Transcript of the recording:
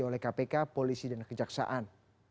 oleh kpk polisi dan kejaksaan